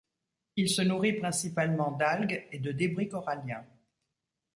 Il se nourrit principalement d'algues et de débris coralliens.